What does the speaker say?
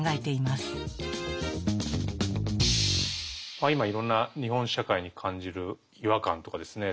まあ今いろんな日本社会に感じる違和感とかですね